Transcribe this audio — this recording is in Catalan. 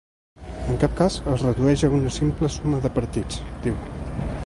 “En cap cas es redueix a una simple suma de partits”, diu.